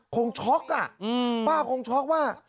คงช็อคน่ะป้าก็ช็อกว่า